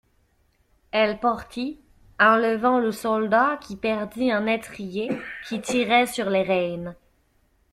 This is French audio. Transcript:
Elle partit, enlevant le soldat qui perdit un étrier, qui tirait sur les rênes.